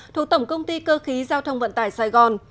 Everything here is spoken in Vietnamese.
thuộc tổng công ty cơ khí giao thông vận tải sài gòn